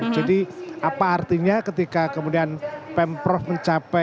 jadi apa artinya ketika kemudian pemprov mencapai apa ya